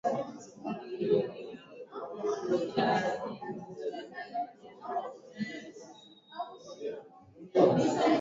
Mndewa kawaida Mndewa mmoja huwa na Washenga wasiopungua wanne kutegemea idadi ya kaya rasilimali